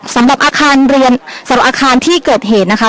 สำหรับอาคารเรียนสำหรับอาคารที่เกิดเหตุนะคะ